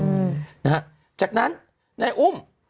อืมนะฮะจากนั้นนายอุ้ม